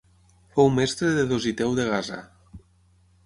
Fou mestre de Dositeu de Gaza.